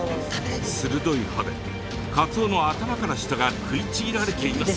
鋭い歯でカツオの頭から下が食いちぎられています。